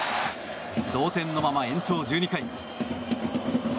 同点のまま延長１２回。